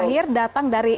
akhir datang dari